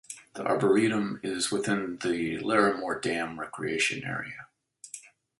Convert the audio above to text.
The arboretum is located within the Larimore Dam Recreation Area.